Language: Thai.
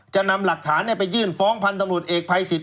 จะนำหลักฐานไปยื่นฟ้องพันธนุษย์เอกภัยสิทธิ์